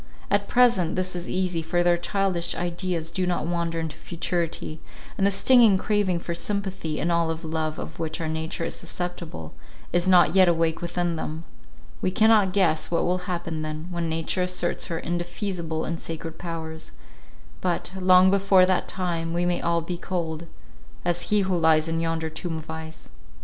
At present this is easy, for their childish ideas do not wander into futurity, and the stinging craving for sympathy, and all of love of which our nature is susceptible, is not yet awake within them: we cannot guess what will happen then, when nature asserts her indefeasible and sacred powers; but, long before that time, we may all be cold, as he who lies in yonder tomb of ice.